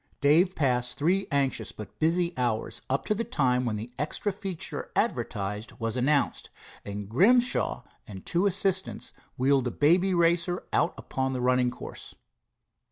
Dave passed three anxious but busy hours up to the time when the extra feature advertised was announced, and Grimshaw and two assistants wheeled the Baby Racer out upon the running course.